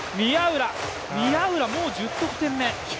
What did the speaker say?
宮浦、もう１０得点目。